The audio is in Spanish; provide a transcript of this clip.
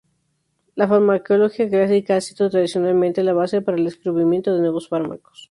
La farmacología clásica ha sido tradicionalmente la base para el descubrimiento de nuevos fármacos.